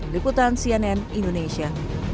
leputan cnn indonesia